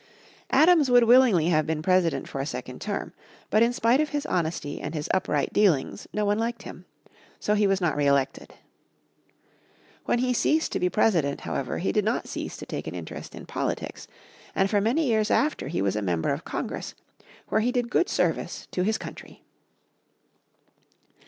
Adams would willingly have been President for a second term. But in spite of his honesty and his upright dealings no one liked him. So he was not re elected. When he ceased to be President, however, he did not cease to take an interest in politics, and for many years after he was a member of Congress, where he did good service to his country.